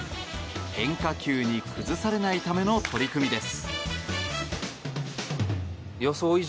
変化球に崩されないための取り組みです。